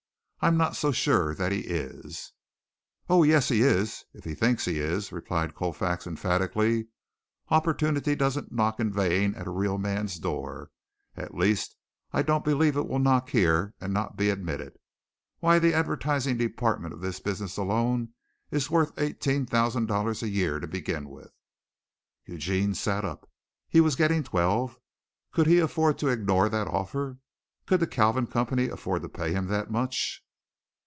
"I'm not so sure that he is." "Oh, yes, he is, if he thinks he is!" replied Colfax emphatically. "Opportunity doesn't knock in vain at a real man's door. At least, I don't believe it will knock here and not be admitted. Why the advertising department of this business alone is worth eighteen thousand dollars a year to begin with." Eugene sat up. He was getting twelve. Could he afford to ignore that offer? Could the Kalvin Company afford to pay him that much?